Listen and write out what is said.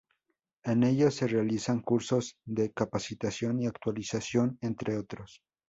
En ellos se realizan cursos de capacitación y actualización, entre otros.